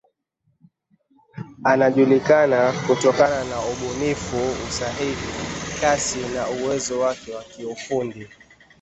Anajulikana kutokana na ubunifu, usahihi, kasi na uwezo wake wa kiufundi.